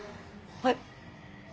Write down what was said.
はい。